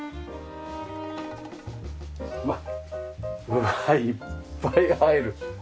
うわいっぱい入る！